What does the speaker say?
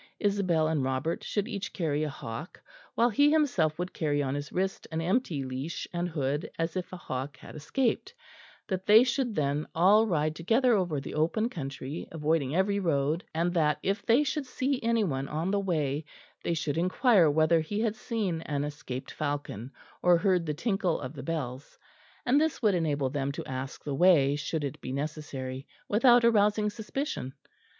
Isabel and Robert should each carry a hawk, while he himself would carry on his wrist an empty leash and hood as if a hawk had escaped; that they should then all ride together over the open country, avoiding every road, and that, if they should see any one on the way, they should inquire whether he had seen an escaped falcon or heard the tinkle of the bells; and this would enable them to ask the way, should it be necessary, without arousing suspicion.